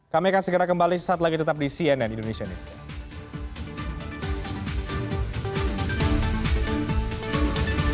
kami akan segera kembali saat lagi tetap di cnn indonesia newscast